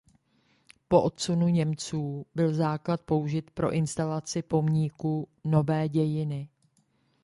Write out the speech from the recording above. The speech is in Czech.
Po odsunu Němců byl základ použit pro instalaci pomníku Nové dějiny.